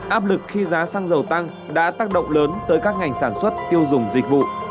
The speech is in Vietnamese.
áp lực khi giá xăng dầu tăng đã tác động lớn tới các ngành sản xuất tiêu dùng dịch vụ